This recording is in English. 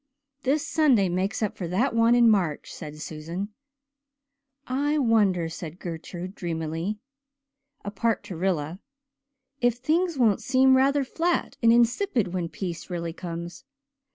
"This Sunday makes up for that one in March," said Susan. "I wonder," said Gertrude dreamily, apart to Rilla, "if things won't seem rather flat and insipid when peace really comes.